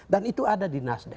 dan itu ada di nasdem